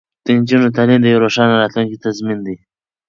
د نجونو تعلیم د یوې روښانه راتلونکې تضمین دی.